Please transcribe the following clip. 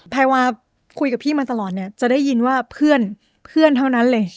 แพรวาคุยกับพี่มาตลอดเนี่ยจะได้ยินว่าเพื่อนเท่านั้นเลย